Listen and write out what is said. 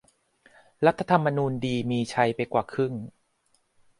"รัฐธรรมนูญดี มีชัย ไปกว่าครึ่ง"